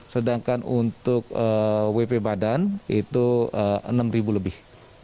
sedangkan untuk wp badan itu enam lebih